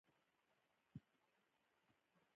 کاپیسا د کوشانیانو د اوړي پلازمینه وه